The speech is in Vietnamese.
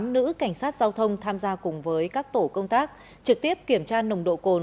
tám nữ cảnh sát giao thông tham gia cùng với các tổ công tác trực tiếp kiểm tra nồng độ cồn